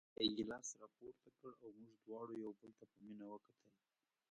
بیا یې ګیلاس راپورته کړ او موږ دواړو یو بل ته په مینه وکتل.